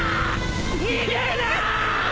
逃げるなぁ！